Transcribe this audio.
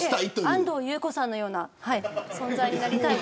安藤優子さんのような存在になりたい。